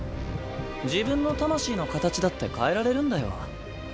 自分の魂の形だって変えられるんだよ。